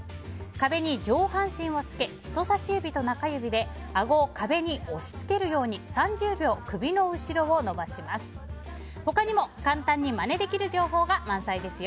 壁に上半身をつけ人さし指と中指であごを壁に押し付けるように３０秒、首の後ろを伸ばします。